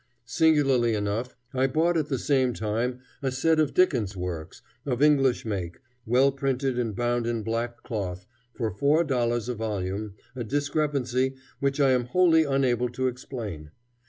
Singularly enough, I bought at the same time a set of Dickens's works, of English make, well printed and bound in black cloth, for four dollars a volume, a discrepancy which I am wholly unable to explain.